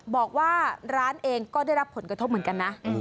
บอกว่าร้านเองก็ได้รับผลกระทบเหมือนกันนะ